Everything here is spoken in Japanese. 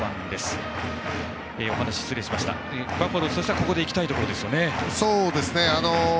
宮本さん、バファローズとしてはここで行きたいところですよね。